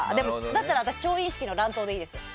だったら調印式の乱闘でいいです。